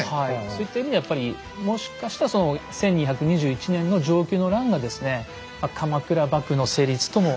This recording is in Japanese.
そういった意味ではやっぱりもしかしたら１２２１年の承久の乱がですね鎌倉幕府の成立とも。